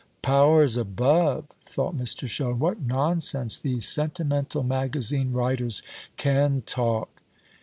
"Powers above!" thought Mr. Sheldon, "what nonsense these sentimental magazine writers can talk!"